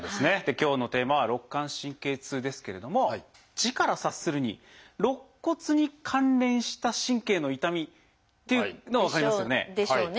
今日のテーマは「肋間神経痛」ですけれども字から察するに肋骨に関連した神経の痛みっていうのは分かりますよね。でしょうね。